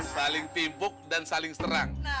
saling tibuk dan saling serang